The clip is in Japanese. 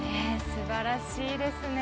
すばらしいですね。